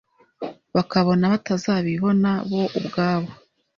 bakabona batazabibona, bo ubwabo